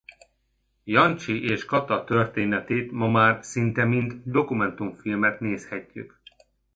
Jancsi és Kata történetét ma már szinte mint dokumentumfilmet nézhetjük.